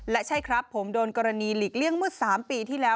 และใช่ครับผมโดนกรณีหลีกเลี่ยงเมื่อ๓ปีที่แล้ว